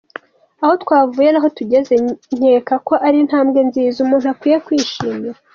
Aho twavuye naho tugeze nyekako ari intambwe nziza umuntu akwiye kwishimira.